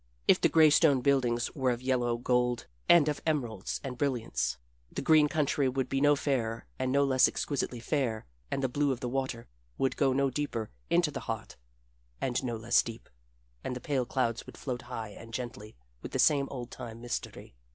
If the gray stone buildings were of yellow gold and of emeralds and brilliants, the green country would be no fairer and no less exquisitely fair, and the blue of the water would go no deeper into the heart and no less deep, and the pale clouds would float high and gently with the same old time mystery.